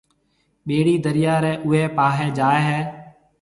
ٻِيڙِي دريا ريَ اُوئي پاهيَ جائي هيَ۔